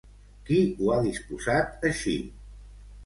Qui ho ha disposat així?